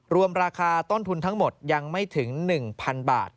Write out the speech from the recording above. รวมราคาต้นทุนทั้งหมดยังไม่ถึง๑๐๐๐บาท